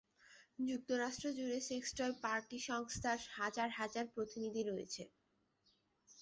যুক্তরাষ্ট্র জুড়ে sex toy party সংস্থার হাজার হাজার প্রতিনিধি রয়েছেন।